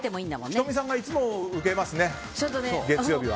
仁美さんがいつも受けますね月曜日は。